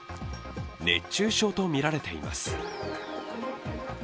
熱中症とみられています。